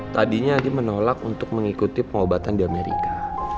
tadi andi menolak untuk mengikuti pengobatan di amerika